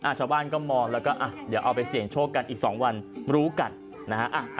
ชาวบ้านก็มองแล้วก็อ่ะเดี๋ยวเอาไปเสี่ยงโชคกันอีก๒วันรู้กันนะฮะ